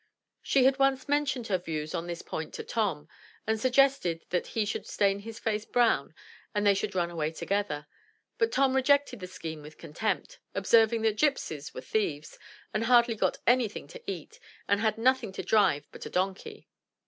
She had once mentioned her views on this point to Tom, and suggested that he should stain his face brown and they should run away together; but Tom rejected the scheme with contempt, observing that gypsies were thieves, and hardly got anything to eat, and had nothing to drive but a donkey.